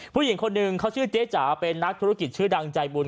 ผู้หญิงคนหนึ่งเขาชื่อเจ๊จ๋าเป็นนักธุรกิจชื่อดังใจบุญ